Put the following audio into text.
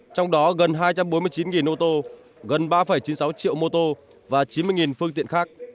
trong đó gần hai trăm bốn mươi chín ô tô gần ba chín mươi sáu triệu mô tô và chín mươi phương tiện khác